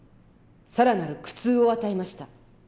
更なる苦痛を与えました。